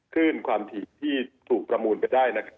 ขึ้นความถี่ที่ถูกประมูลไปได้นะครับ